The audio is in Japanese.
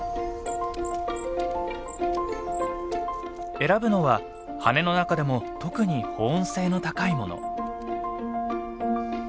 選ぶのは羽根の中でも特に保温性の高いもの。